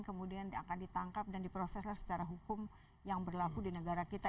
kemudian akan ditangkap dan diproseslah secara hukum yang berlaku di negara kita